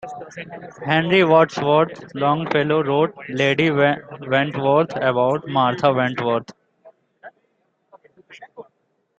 Henry Wadsworth Longfellow wrote "Lady Wentworth" about Martha Wentworth.